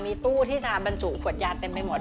มีตู้ที่จะบรรจุขวดยาเต็มไปหมด